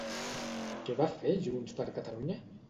Què va fer JxCat?